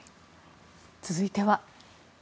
続いては。